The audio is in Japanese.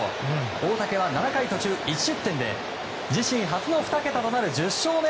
大竹は７回途中１失点で自身初の２桁となる１０勝目。